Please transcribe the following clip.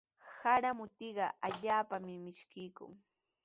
Sara mutiqa allaapami mishkiykun.